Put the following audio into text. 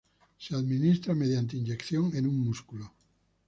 Se administra mediante inyección en un músculo.